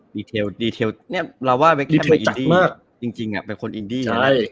ดีเทลเนี่ยเราว่าเว็กแคมป์เป็นอินดีจริงอะเป็นคนอินดี